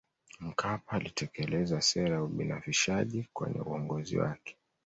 mkapa alitekeleza sera ya ubinafishaji kwenye uongozi wake